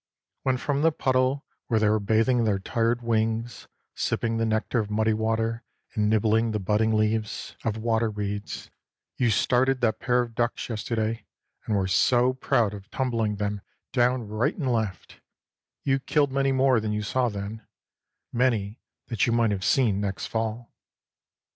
When from the puddle, where they were bathing their tired wings, sipping the nectar of muddy water, and nibbling the budding leaves of water weeds, you started that pair of ducks yesterday, and were so proud of tumbling them down right and left, you killed many more than you saw then; many that you might have seen next fall.